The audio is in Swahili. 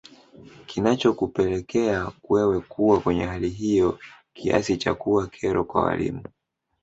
Kinachokupelekea wewe kuwa kwenye hali hiyo kiasi cha kuwa kero kwa walimu